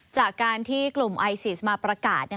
จากการที่กลุ่มไอซิสมาประกาศ